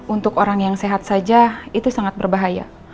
untuk orang yang sehat saja itu sangat berbahaya